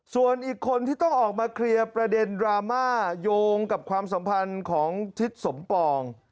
ส่วนอีกคนที่ต้องออกมาเคลียร์ประเด็นดราม่าโยงกับความสัมพันธ์ของทิศสมปอง